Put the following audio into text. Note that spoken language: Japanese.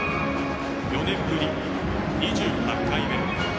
４年ぶり２８回目。